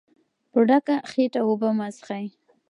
په ډکه خېټه اوبه مه څښئ.